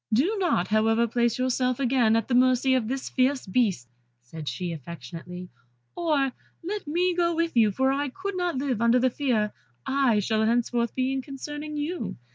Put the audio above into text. "Do not, however, place yourself again at the mercy of this fierce beast," said she, affectionately, "or let me go with you, for I could not live under the fear I shall henceforth be in concerning you.